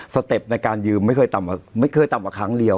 สเต็ปในการยืมไม่เคยต่ำกว่าครั้งเดียว